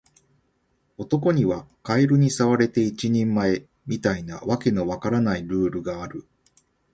男にはカエルに触れて一人前、みたいな訳の分からないルールがある